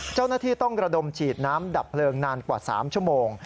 เจ้าหน้าที่ต้องระดมฉีดน้ำดับเพลิงนานกว่า๓ชั่วโมง